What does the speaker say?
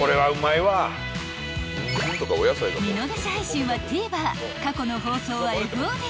［見逃し配信はＴＶｅｒ過去の放送はＦＯＤで］